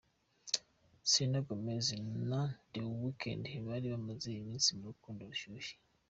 Selena Gomez na The Weeknd bari bamaze iminsi mu rukundo rushyushye.